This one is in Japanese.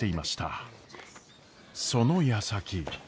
そのやさき。